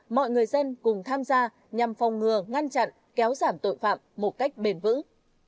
mọi người dân cùng tham gia nhằm phòng ngừa ngăn chặn kéo giảm tội phạm một cách bền vững